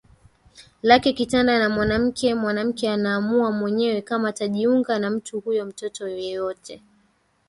lake kitanda na mwanamke Mwanamke anaamua mwenyewe kama atajiunga na mtu huyo Mtoto yeyote